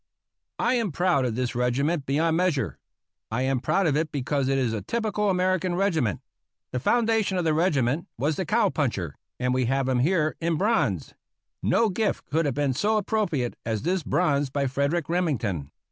I am proud of this regiment beyond measure. I am proud of it because it is a typical American regiment. The foundation of the regiment was the cowpuncher, and we have him here in bronze. No gift could have been so appropriate as this bronze by Frederic Remington.